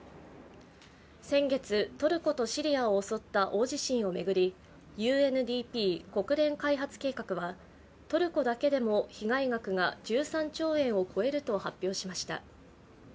先月、トルコとシリアを襲った大地震を巡りＵＮＤＰ＝国連開発計画はトルコだけでも被害額が１３兆円を超えると発表しました。